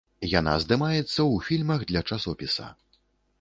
Яна здымаецца ў фільмах для часопіса.